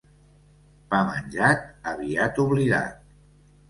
Pa menjat, aviat oblidat.